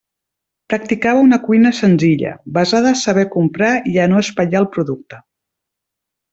Practicava una cuina senzilla, basada a saber comprar i a no espatllar el producte.